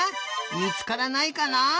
みつからないかな？